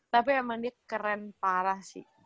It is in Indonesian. tapi emang dia keren parah sih